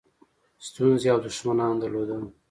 ستونزې او دښمنان درلودل.